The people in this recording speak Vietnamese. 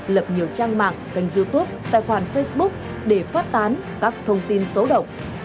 lập nhiều trang mạng kênh youtube tài khoản facebook để phát tán các thông tin xấu độc